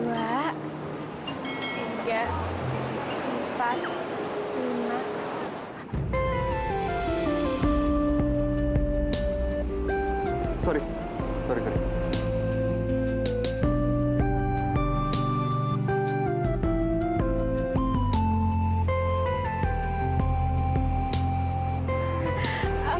ya ini salah aku